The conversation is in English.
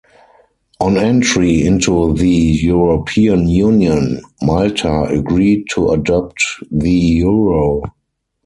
On entry into the European Union, Malta agreed to adopt the euro.